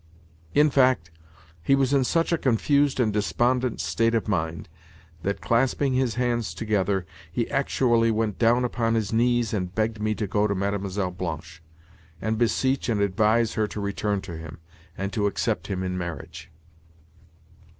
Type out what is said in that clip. In fact, he was in such a confused and despondent state of mind that, clasping his hands together, he actually went down upon his knees and begged me to go to Mlle. Blanche, and beseech and advise her to return to him, and to accept him in marriage.